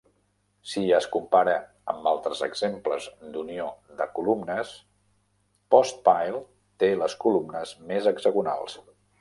Si es compara amb altres exemples d'unió de columnes, Postpile té les columnes més hexagonals.